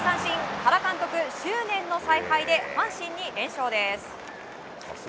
原監督、執念の采配で阪神に連勝です。